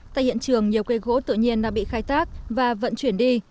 tại hiện trường nhiều cây gỗ tự nhiên đã bị khai tác và vận chuyển đi